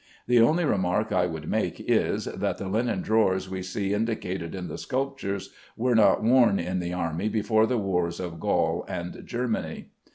The only remark I would make is, that the linen drawers we see indicated in the sculptures, were not worn in the army before the wars of Gaul and Germany.